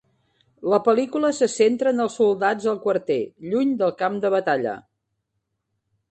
La pel·lícula se centra en els soldats al quarter, lluny del camp de batalla.